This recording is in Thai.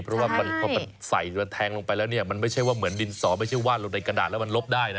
เพราะว่าพอมันใส่มันแทงลงไปแล้วเนี่ยมันไม่ใช่ว่าเหมือนดินสอไม่ใช่วาดลงในกระดาษแล้วมันลบได้นะ